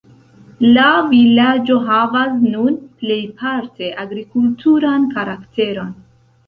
La vilaĝo havas nun plejparte agrikulturan karakteron.